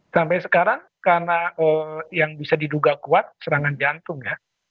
sampai sekarang karena yang bisa diduga kuat serangan jantung ya